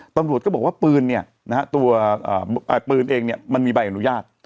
ตำรวจก็บอกว่าปืนเนี้ยนะฮะตัวอ่าปืนเองเนี้ยมันมีใบอนุญาต